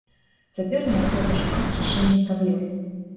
Цяпер неабходна шукаць рашэнне праблем.